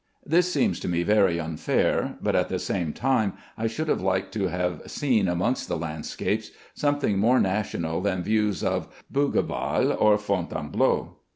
This seems to me very unfair, but at the same time I should have liked to have seen amongst the landscapes something more national than views of Bougival or Fontainebleau.